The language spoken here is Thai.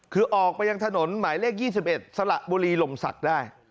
คือออกไปยังถนนหมายเลข๒๑สระบุรีลมศักดิ์ได้